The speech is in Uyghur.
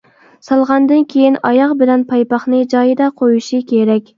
سالغاندىن كېيىن، ئاياغ بىلەن پايپاقنى جايىدا قويۇشى كېرەك.